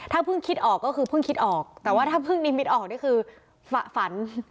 ถ้าเพิ่งคิดออกก็คือเพิ่งคิดออกแต่ว่าถ้าเพิ่งนิมิตออกนี่คือฝัน